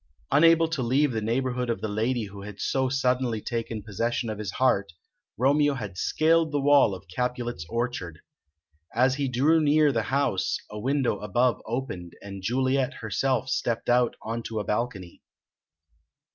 Unable to leave the neighbourhood of the lady who had so suddenly taken possession of his heart, Romeo had scaled the wall of Capulet's orchard. As he drew near the house, a window above opened, and Juliet herself stepped out on to a balcony.